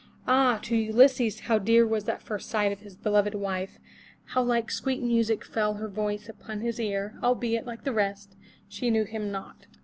Ah! to Ulysses how dear was that first sight of his beloved wife, how like sweet music fell her voice upon his ear, albeit, like the rest, she knew him not.